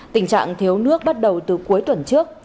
tình trạng thiếu nước bắt đầu từ cuối tuần trước